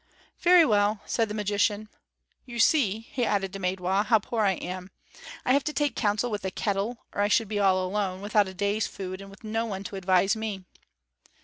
"Very well," said the magician. "You see," he added to Maidwa, "how poor I am. I have to take counsel with the kettle, or I should be all alone, without a day's food, and with no one to advise me."